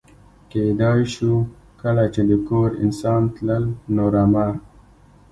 کېدای شو کله چې د کور انسان تلل، نو رمه.